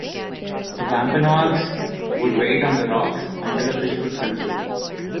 The Wampanoag's would wait on the rocks until a fish would swim through.